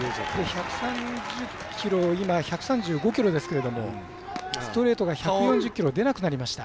今、１３５キロですけどストレートが１４０キロ出なくなりました。